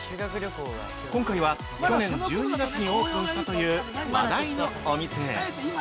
今回は去年１２月にオープンしたという話題のお店へ。